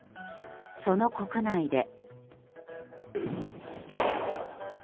その国内で。